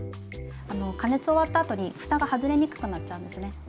加熱終わったあとにふたが外れにくくなっちゃうんですね。